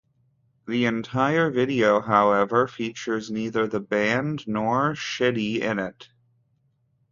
The entire video however, features neither the band nor Chiddy in it.